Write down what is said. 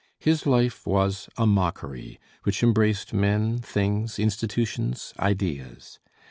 His life was a mockery, which embraced men, things, institutions, ideas.